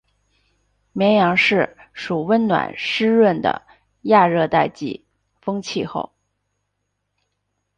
绵阳市属温暖湿润的亚热带季风气候。